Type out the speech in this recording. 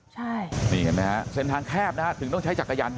ใช่นี่เห็นมั้ยคะเสร็จทางแคบนะถึงต้องใช้จักรยานยนต์